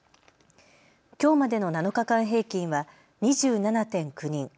きょうまでの７日間平均は２７．９人。